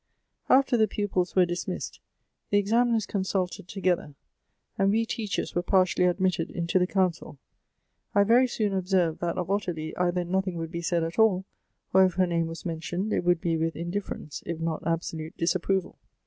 "After the pupils were dismissed, the examiners con sulted together, and wo teachers were partially admitted into the council. I very soon observed that of Ottilie either nothing would bo said at all, or if her name was mentioned, it would be with indiiference, if not disap proval.